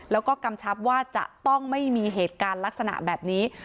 แล้วก็กำชับว่าจะต้องไม่มีเหตุการณ์ลักษณะแบบนี้